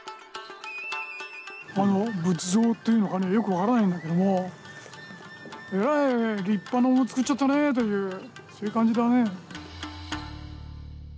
仏像というのかねよく分からないんだけどもえらい立派なものつくっちゃったねっていうそういう感じだね。